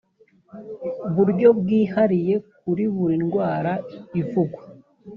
buryo bwihariye kuri buri ndwara ivugwa